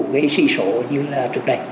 cái sĩ sổ như là trước đây